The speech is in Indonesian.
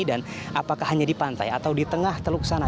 dan apakah hanya di pantai atau di tengah teluk sana